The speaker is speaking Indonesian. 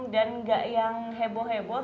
dan enggak yang heboh heboh